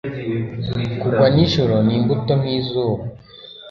Kugwa nijoro n'imbuto nk'izuba,